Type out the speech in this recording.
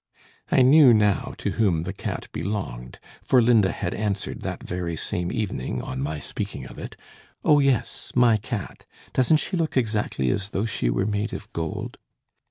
I knew now to whom the cat belonged, for Linda had answered that very same evening, on my speaking of it, 'Oh, yes, my cat; doesn't she look exactly as though she were made of gold?'